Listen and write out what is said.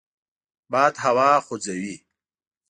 باد هوا خوځوي